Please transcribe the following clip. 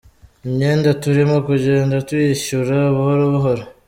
Imyenda turimo kugenda tuyishyura buhoro buhoro.